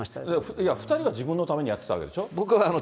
いや、２人は自分のためにやってたわけでしょ？